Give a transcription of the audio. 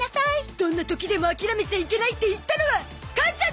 どんな時でも諦めちゃいけないって言ったのは母ちゃんだぞ！